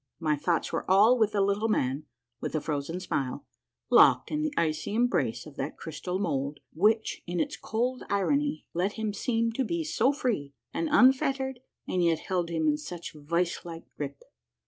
My thoughts were all with the Little Man with the Frozen Smile locked in the icy embrace of that crystal mould, which, in its cold irony, let him seem to be so free and unfettered and yet held him in such vise like grip.